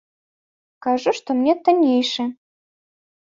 Кажу, што мне таннейшы.